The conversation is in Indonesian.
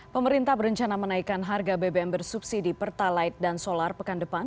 pemerintah berencana menaikkan harga bbm bersubsidi pertalite dan solar pekan depan